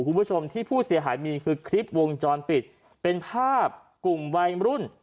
คุณผู้ชมที่ผู้เสียหายมีคือคลิปวงจรปิดเป็นภาพกลุ่มวัยรุ่น